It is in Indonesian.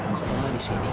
kok ada di sini